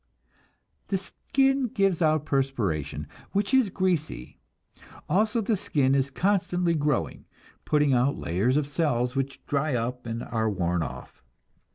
The skin gives out perspiration which is greasy; also the skin is constantly growing, putting out layers of cells which dry up and are worn off.